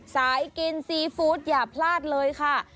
สายกินซีฟู้ดอย่าพลาดเลยค่ะ